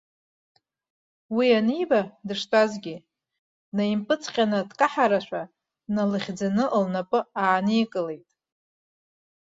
Уи аниба, дыштәазгьы, днаимпыҵҟьаны дкаҳарашәа, дналыхьӡаны лнапы ааникылеит.